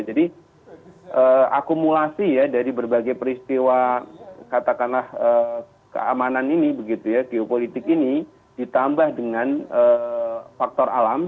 jadi akumulasi ya dari berbagai peristiwa katakanlah keamanan ini begitu ya geopolitik ini ditambah dengan faktor alam